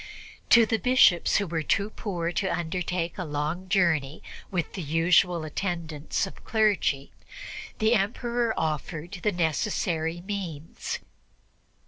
To the Bishops who were too poor to undertake a long journey with the usual attendance of clergy, the Emperor offered the necessary means.